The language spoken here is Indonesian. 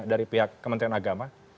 dari pihak kementerian agama